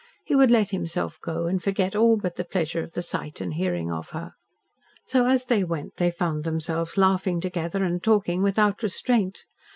He would let himself go and forget all but the pleasure of the sight and hearing of her. So as they went they found themselves laughing together and talking without restraint.